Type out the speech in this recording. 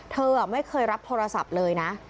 เธอไม่เคยรับโทรศัพท์เลยนะ